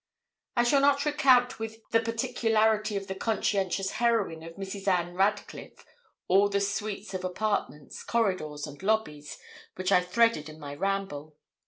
I shall not recount with the particularity of the conscientious heroine of Mrs. Ann Radcliffe, all the suites of apartments, corridors, and lobbies, which I threaded in my ramble.